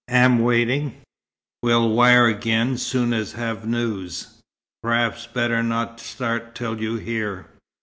Am waiting. Will wire again soon as have news. Perhaps better not start till you hear."